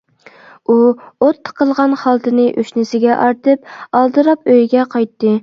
ئۇ ئوت تىقىلغان خالتىنى ئۆشنىسىگە ئارتىپ ئالدىراپ ئۆيىگە قايتتى.